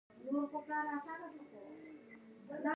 هغه راته څو اوراد راوښوول.